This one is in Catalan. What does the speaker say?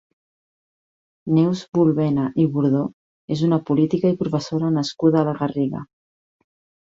Neus Bulbena i Burdó és una política i professora nascuda a la Garriga.